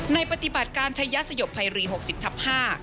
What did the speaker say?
ปฏิบัติการชายสยบภัยรี๖๐ทับ๕